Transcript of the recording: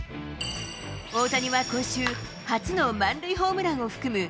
大谷は今週、初の満塁ホームランを含む